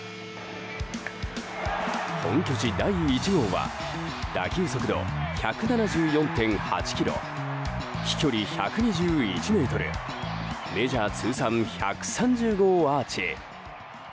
本拠地第１号は打球速度１７４．８キロ飛距離１２１ｍメジャー通算１３０号アーチ。